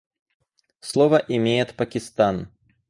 Слово имеет Пакистан.